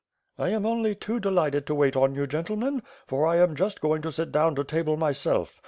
"I am only too delighted to wait on you, gentlemen, for I am just going to sit down to table myself.